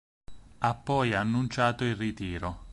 Ha poi annunciato il ritiro.